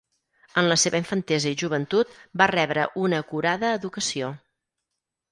En la seva infantesa i joventut va rebre una acurada educació.